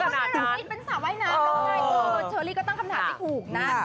เนรมิตเป็นสระว่ายน้ำชะลีก็ต้องคำถามที่ถูกนะ